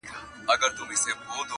دا قیامت چي هر چا ولېدی حیران سو،